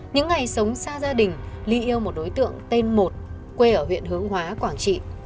những ngày sống xa gia đình ly yêu một đối tượng tên một quê ở huyện hướng hóa quảng trị